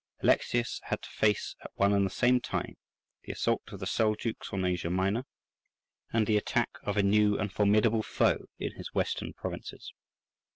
Alexius had to face at one and the same time the assault of the Seljouks on Asia Minor, and the attack of a new and formidable foe in his western provinces.